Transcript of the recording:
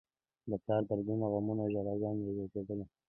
د پلار دردونه، غمونه او ژړاګانې یې زياتېدلې.